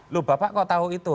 lo bapak kok tau itu